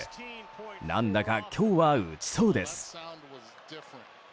何だか今日は打ちそうです。